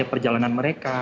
ya perjalanan mereka